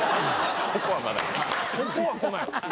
ここは来ない。